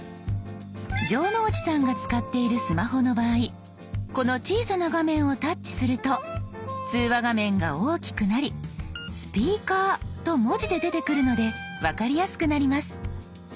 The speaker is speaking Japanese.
城之内さんが使っているスマホの場合この小さな画面をタッチすると通話画面が大きくなり「スピーカー」と文字で出てくるので分かりやすくなります。